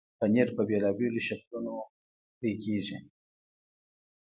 پنېر په بېلابېلو شکلونو پرې کېږي.